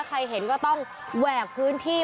ใครเห็นก็ต้องแหวกพื้นที่